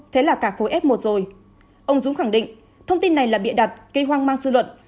thế là cả khối f một rồi ông dũng khẳng định thông tin này là bịa đặt gây hoang mang dư luận